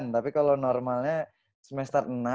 tapi kalau normalnya semester enam